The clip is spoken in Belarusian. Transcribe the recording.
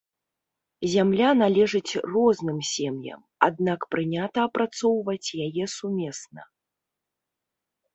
Зямля належыць розным сем'ям, аднак прынята апрацоўваць яе сумесна.